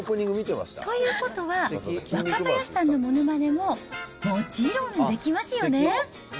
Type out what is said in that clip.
ということは、若林さんのものまねも、もちろんできますよね。